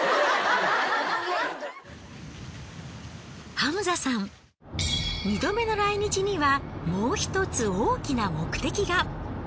ハムザさん二度目の来日にはもう１つ大きな目的が。